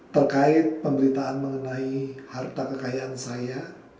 terkait pemberitaan mengenai harta kekayaan saya